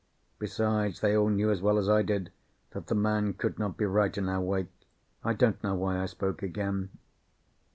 Besides, they all knew as well as I did that the man could not be right in our wake. I don't know why I spoke again.